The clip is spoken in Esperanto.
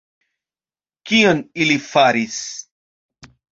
Kion ili faris?